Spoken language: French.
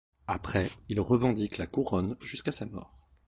Après il revendique la couronne jusqu’à sa mort.